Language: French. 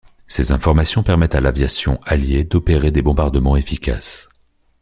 Ces informations permettent à l'aviation alliée d'opérer des bombardements efficaces.